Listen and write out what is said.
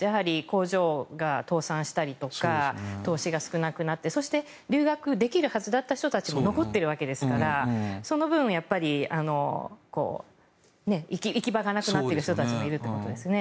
工場が倒産したりとか投資が少なくなって留学できるはずだった人たちも残っているわけですからその分、行き場がなくなっている人たちもいるってことですよね。